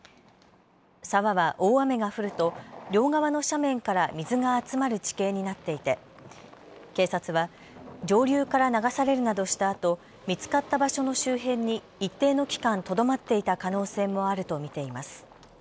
沢は大雨が降ると両側の斜面から水が集まる地形になっていて警察は上流から流されるなどしたあと見つかった場所の周辺に一定の期間とどまっていた可能性もあると見ています。